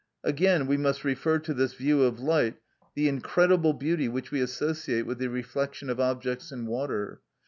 Again, we must refer to this view of light the incredible beauty which we associate with the reflection of objects in water.